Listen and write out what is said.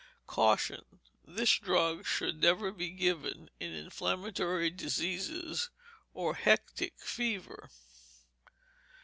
Caution. This drug should never be given in inflammatory diseases or hectic fever.